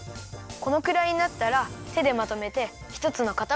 このくらいになったらてでまとめてひとつのかたまりにするよ。